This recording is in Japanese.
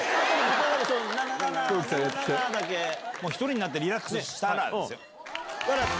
１人になってリラックスしたらですよ。